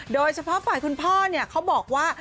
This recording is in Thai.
โดยเฉพาะฝ่ายคุณพ่อเขาบอกว่า